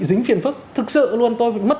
dính phiền phức thực sự luôn tôi mất